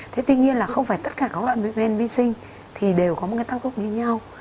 thế tuy nhiên là không phải tất cả các đoạn vớiven vi sinh thì đều có một cái tác dụng như nhau